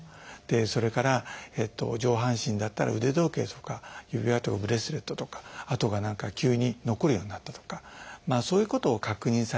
それから上半身だったら腕時計とか指輪とかブレスレットとか跡が何か急に残るようになったとかそういうことを確認されて。